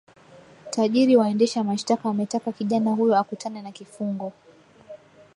tayari waendesha mashtaka wametaka kijana huyo akutane na kifungo